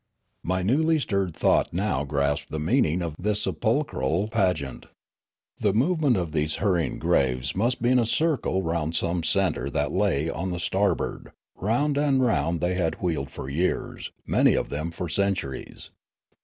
My newly stirred thought now grasped the meaning of this sepulchral pageant. The movement of these hurrying graves must be in a circle round some centre Riallaro 19 that lay on the starboard ; round and round they had wheeled for years, many of them for centuries.